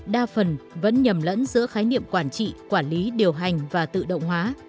đa phần vẫn nhầm lẫn giữa khái niệm quản trị quản lý điều hành và tự động hóa